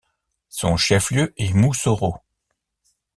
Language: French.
Son chef-lieu est Moussoro.